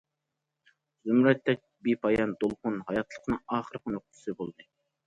زۇمرەتتەك بىپايان دولقۇن ھاياتلىقنىڭ ئاخىرقى نۇقتىسى بولدى.